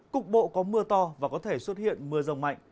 cục bộ có mưa to và có thể xuất hiện mưa rông mạnh